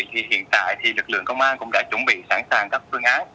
thì hiện tại thì lực lượng công an cũng đã chuẩn bị sẵn sàng các phương án